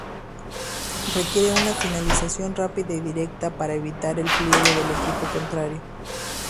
Requiere una finalización rápida y directa, para evitar el repliegue del equipo contrario.